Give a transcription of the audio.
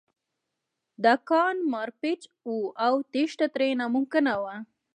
دا کان مارپیچ و او تېښته ترې ناممکنه وه